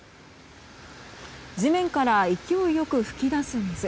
地面から勢いよく噴き出す水。